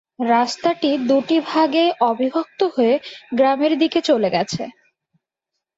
রাস্তাটি দুটি ভাগে অবিভক্ত হয়ে গ্রামের দিকে চলে গেছে।